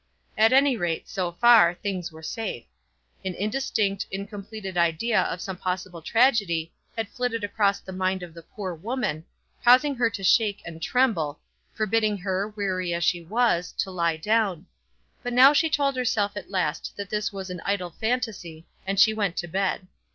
At any rate, so far, things were safe. An indistinct, incompleted idea of some possible tragedy had flitted across the mind of the poor woman, causing her to shake and tremble, forbidding her, weary as she was, to lie down; but now she told herself at last that this was an idle phantasy, and she went to bed.